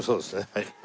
はい。